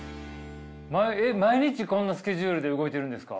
毎日こんなスケジュールで動いてるんですか？